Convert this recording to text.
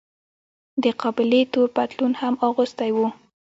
دې قابلې تور پتلون هم اغوستی و.